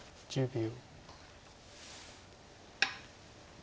１０秒。